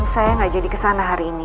saya nggak jadi kesana hari ini